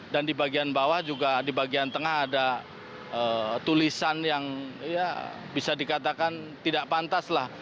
dan di bagian bawah juga di bagian tengah ada tulisan yang bisa dikatakan tidak pantas lah